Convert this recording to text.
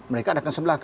mereka ada di sebelah